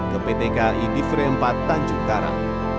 ke pt kai difere empat tanjung karang